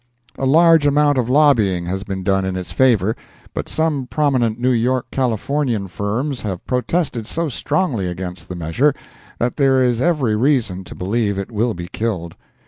A large amount of lobbying has been done in its favor, but some prominent New York Californian firms have protested so strongly against the measure that there is every reason to believe it will be killed.